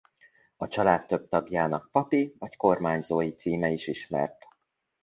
A család több tagjának papi vagy kormányzói címe is ismert.